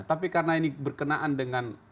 tapi karena ini berkenaan dengan